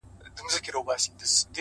كړۍ كـړۍ لكه ځنځير ويـده دی